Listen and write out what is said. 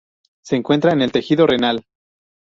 Se encuentra en el tejido renal.